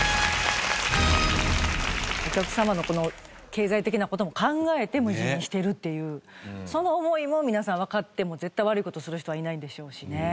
お客様の経済的な事も考えて無人にしてるっていうその思いも皆さんわかって絶対悪い事する人はいないんでしょうしね。